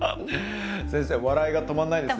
先生笑いが止まんないですね